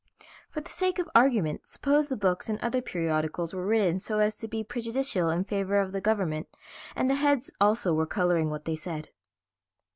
"For the sake of argument suppose the books and other periodicals were written so as to be prejudicial in favor of the government, and the heads also were coloring what they said."